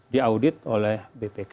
diaudit oleh bpk